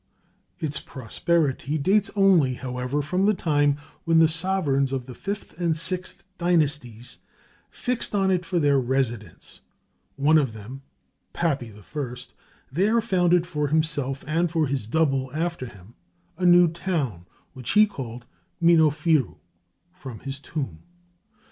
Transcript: Its prosperity dates only, however, from the time when the sovereigns of the V and VI dynasties fixed on it for their residence; one of them, Papi I, there founded for himself and for his "double" after him, a new town, which he called Minnofiru, from his tomb.